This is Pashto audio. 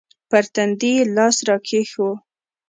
پر تندي يې لاس راکښېښوو.